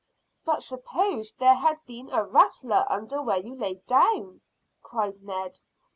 "But suppose there had been a rattler under where you lay down?" cried Ned.